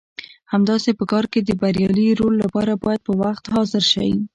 همداسې په کار کې د بریالي رول لپاره باید په وخت حاضر شئ.